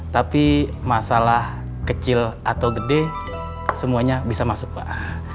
tapi masalah kecil atau gede semuanya bisa masuk pak